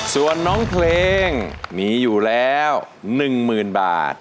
ส่วนน้องเพลงมีอยู่แล้ว๑๐๐๐บาท